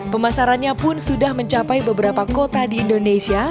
pemasarannya pun sudah mencapai beberapa kota di indonesia